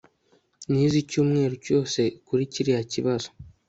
nize icyumweru cyose kuri kiriya kibazo